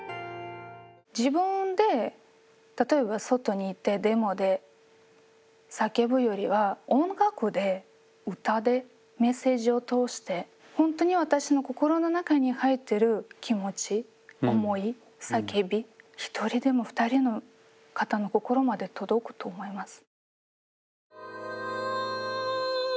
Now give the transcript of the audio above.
自分で例えば外に行ってデモで叫ぶよりは音楽で歌でメッセージを通してほんとに私の心の中に入ってる気持ち思い叫び１人でも２人の方の心まで届くと思います。